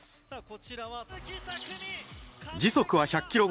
時速は１００キロ超え。